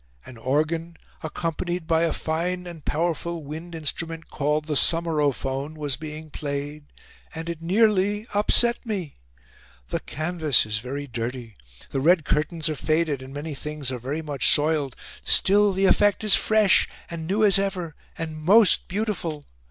An organ, accompanied by a fine and powerful wind instrument called the sommerophone, was being played, and it nearly upset me. The canvas is very dirty, the red curtains are faded and many things are very much soiled, still the effect is fresh and new as ever and most beautiful.